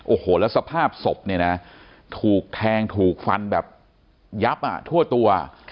โอ้โหแล้วสภาพศพเนี่ยนะถูกแทงถูกฟันแบบยับอ่ะทั่วตัว